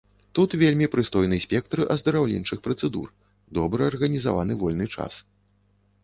Тут вельмі прыстойны спектр аздараўленчых працэдур, добра арганізаваны вольны час.